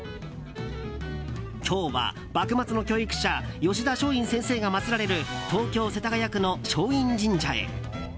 今日は幕末の教育者吉田松陰先生が祭られる東京・世田谷区の松陰神社へ。